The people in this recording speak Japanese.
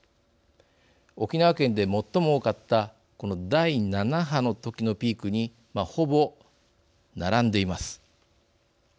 沖縄県で最も多かったこの第７波の時のピークにほぼ並んでいます。